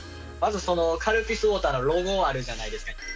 まずそのカルピスウォーターのロゴあるじゃないですか。